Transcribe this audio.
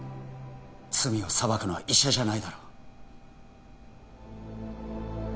罪を裁くのは医者じゃないだろ